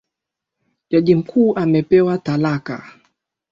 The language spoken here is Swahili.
Jaji mkuu amepewa talaka.